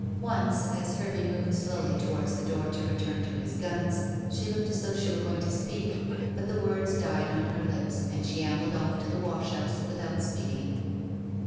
Once, as Hervey moved slowly towards the door to return to his guns, she looked as though she were going to speak. But the words died on her lips, and she ambled off to the wash house without speaking.